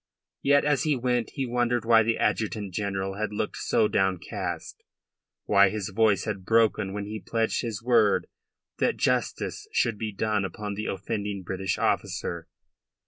Yet, as he went, he wondered why the Adjutant General had looked so downcast, why his voice had broken when he pledged his word that justice should be done upon the offending British officer.